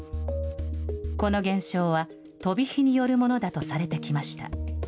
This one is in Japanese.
この現象は、飛び火によるものだとされてきました。